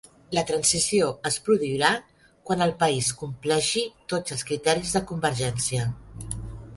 La transició es produirà quan el país compleixi tots els criteris de convergència.